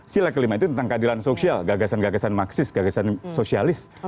sila kelima itu tentang keadilan sosial gagasan gagasan maksis gagasan sosialis